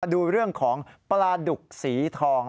ดูเรื่องของปลาดุกสีทอง